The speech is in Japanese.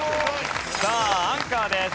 さあアンカーです。